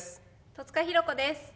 戸塚寛子です。